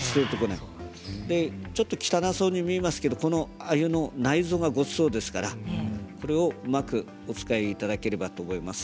ちょっと汚そうに見えますけどこの鮎の内臓がごちそうですからこれをうまくお使いいただければと思います。